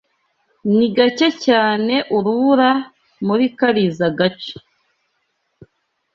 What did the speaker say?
Ni gake cyane urubura muri karizoa gace.